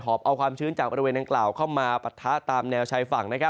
บเอาความชื้นจากบริเวณดังกล่าวเข้ามาปะทะตามแนวชายฝั่ง